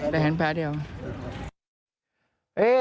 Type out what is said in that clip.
แต่แห่งแพ้เดียว